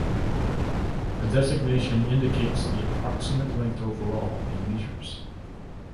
The designation indicates the approximate length overall in meters.